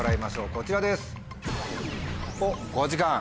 こちらです。